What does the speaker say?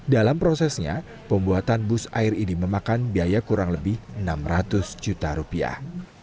dalam prosesnya pembuatan bus air ini memakan biaya kurang lebih enam ratus juta rupiah